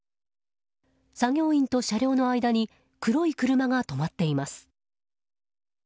作業員と車両の間に黒い車が止まっています。